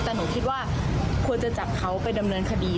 แต่หนูคิดว่าควรจะจับเขาไปดำเนินคดี